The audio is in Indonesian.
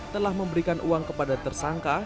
telah memberikan uang kepada tersangka